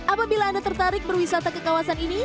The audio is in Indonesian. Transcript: apabila anda tertarik berwisata ke kawasan ini